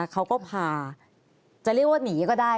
เขาก็พาจะเรียกว่าหนีก็ได้